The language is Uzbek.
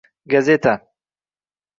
gazeta